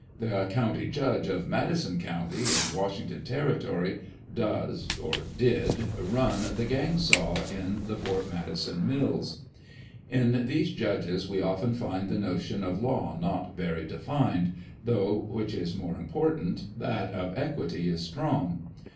The county judge of Madison county, in Washington territory, does (or did) " run" the " gang saw" in the Port Madison mills. In these judges we often find the notion of law not very defined, though (which is more important) that of equity is strong.